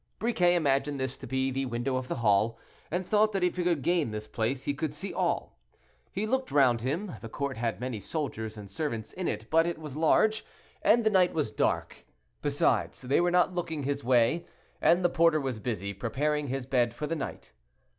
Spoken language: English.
Briquet imagined this to be the window of the hall, and thought that if he could gain this place he could see all. He looked round him; the court had many soldiers and servants in it, but it was large, and the night was dark; besides, they were not looking his way, and the porter was busy, preparing his bed for the night.